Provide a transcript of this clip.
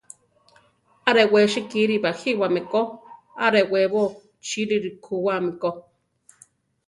Arewesi kiri bajíwame ko; arewébo chiri rikúwami ko.